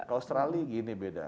ke australia gini beda